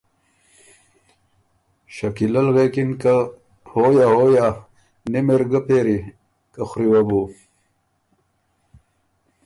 شکیلۀ ل غوېکِن که ”هویا هویا نِم اِر ګۀ پېری، که خوری وه بُو۔“